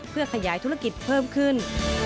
เพื่อขยายธุรกิจเพิ่มขึ้น